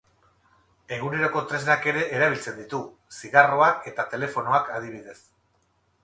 Eguneroko tresnak ere erabiltzen ditu, zigarroak eta telefonoak, adibidez.